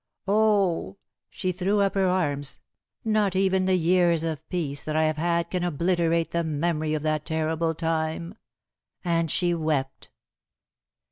Oh!" she threw up her arms "not even the years of peace that I have had can obliterate the memory of that terrible time." And she wept.